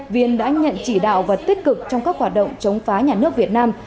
viên đã nhận chỉ đạo và tích cực trong các hoạt động chống phá nhà nước việt nam